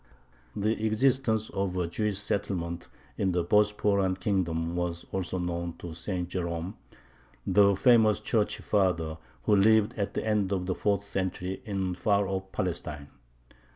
The existence of a Jewish settlement in the Bosporan kingdom was also known to St. Jerome, the famous Church father, who lived at the end of the fourth century in far off Palestine.